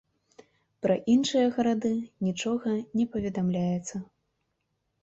Пра іншыя гарады нічога не паведамляецца.